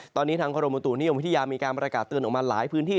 ตอนนี้ทางกรมบุตุนิยมวิทยามีการประกาศเตือนออกมาหลายพื้นที่